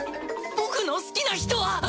僕の好きな人は？